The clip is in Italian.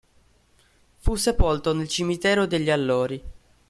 Fu sepolto nel Cimitero degli Allori.